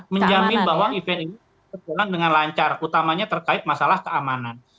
menjamin bahwa event ini berjalan dengan lancar utamanya terkait masalah keamanan